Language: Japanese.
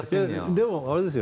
でもあれですよ。